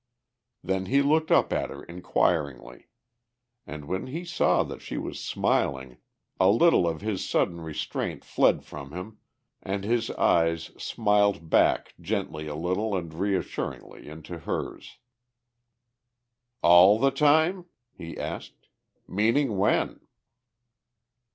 Then he looked up at her inquiringly. And when he saw that she was smiling, a little of his sudden restraint fled from him and his eyes smiled back gently a little and reassuringly into hers. "All the time?" he asked. "Meaning when?"